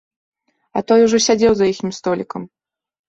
А той ужо сядзеў за іхнім столікам.